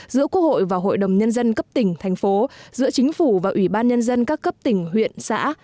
giữa quốc hội và hội đồng nhân dân cấp tỉnh thành phố giữa chính phủ và ủy ban nhân dân các cấp tỉnh huyện xã